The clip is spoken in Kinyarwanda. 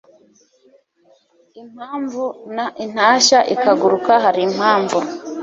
impamvu n intashya ikaguruka hari impamvu